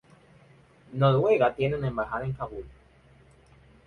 Noruega tiene una embajada en Kabul.